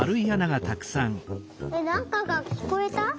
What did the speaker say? えっなんかがきこえた？